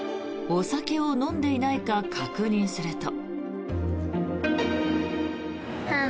お酒を飲んでいないか確認すると。